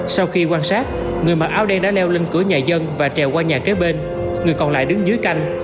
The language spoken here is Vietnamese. sau khi quan sát người mặc áo đen đã leo lên cửa nhà dân và trèo qua nhà kế bên người còn lại đứng dưới canh